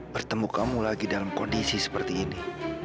bertemu kamu lagi dalam kondisi seperti ini